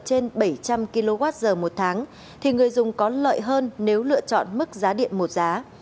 trên bảy trăm linh kwh một tháng thì người dùng có lợi hơn nếu lựa chọn mức giá điện một giá